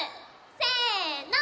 せの。